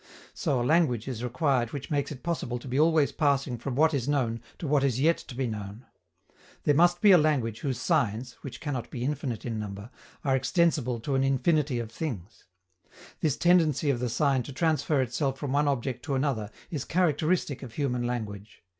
So a language is required which makes it possible to be always passing from what is known to what is yet to be known. There must be a language whose signs which cannot be infinite in number are extensible to an infinity of things. This tendency of the sign to transfer itself from one object to another is characteristic of human language.